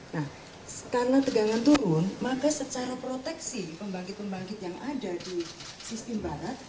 nah karena tegangan turun maka secara proteksi pembangkit pembangkit yang ada di sistem barat